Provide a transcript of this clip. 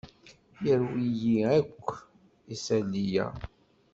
Yerwi-yi akk isali-a.